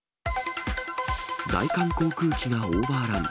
大韓航空機がオーバーラン。